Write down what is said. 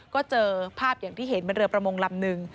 ก็เจอภาพอย่างที่เห็นเป็นเรือประมงลำนึง